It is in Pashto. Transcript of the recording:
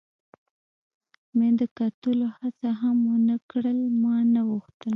مې د کتلو هڅه هم و نه کړل، ما نه غوښتل.